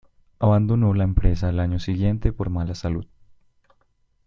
Abandonó la empresa al año siguiente por mala salud.